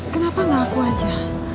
kenapa gak aku aja